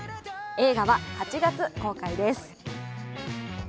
映画は８月、公開です。